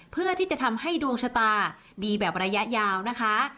เพื่อที่จะทำให้ดวงชะตาดีแบบระยะยาวนะคะ